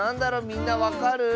みんなわかる？